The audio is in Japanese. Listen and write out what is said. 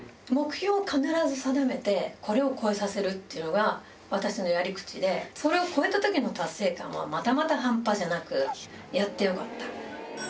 目標を必ず定めて、これを超えさせるっていうのが、私のやり口で、それを超えたときの達成感はまたまた半端じゃなく、やってよかった。